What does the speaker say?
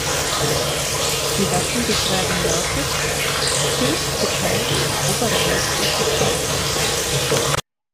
Die Wappenbeschreibung lautet: „Schild geteilt, obere Hälfte gespalten.